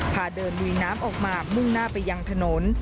พาเดินลุยน้ำออกมามุ่งหน้าไปยังถนน